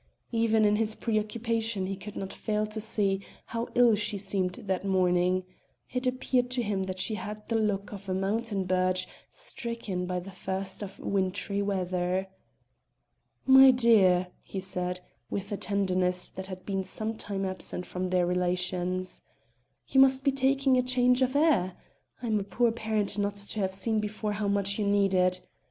Even in his preoccupation he could not fail to see how ill she seemed that morning: it appeared to him that she had the look of a mountain birch stricken by the first of wintry weather. "My dear," he said, with a tenderness that had been some time absent from their relations, "you must be taking a change of air. I'm a poor parent not to have seen before how much you need it."